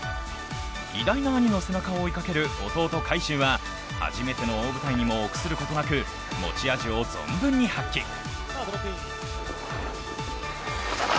偉大な兄の背中を追いかける弟・海祝は初めての大舞台にも臆することなく持ち味を存分に発揮。